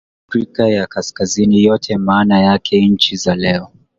Afrika ya kaskazini yote maana yake nchi za leo